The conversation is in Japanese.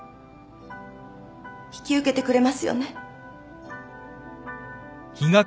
引き受けてくれますよね？